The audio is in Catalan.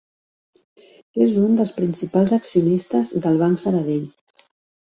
És un dels principals accionistes del Banc Sabadell.